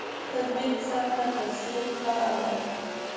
تطبیق سطح تفسیر فرع ده.